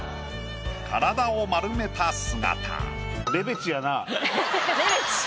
体を丸めた姿。